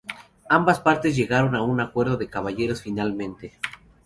Ambas partes llegaron a un acuerdo de caballeros finalmente.